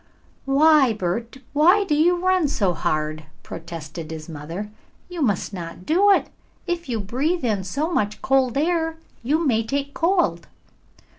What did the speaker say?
"Why, Bert, why do you run so hard?" protested his mother. "You must not do it. If you breathe in so much cold air, you may take cold."